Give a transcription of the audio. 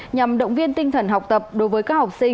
nhằm động viên tinh thần học tập đối với các học sinh sinh viên